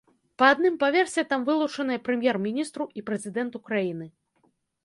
Па адным паверсе там вылучаныя прэм'ер-міністру і прэзідэнту краіны.